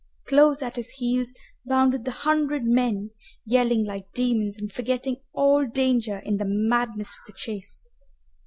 Close at his heels bounded the hundred men, yelling like demons and forgetting all danger in the madness of the chase.